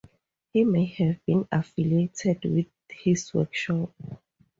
He may have been affiliated with his workshop.